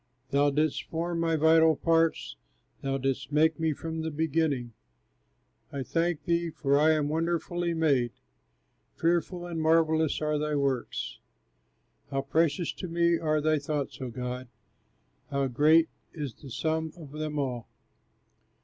Thou didst form my vital parts, Thou didst make me from the beginning, I thank thee, for I am wonderfully made; Fearful and marvellous are thy works. How precious to me are thy thoughts, O God! How great is the sum of them all!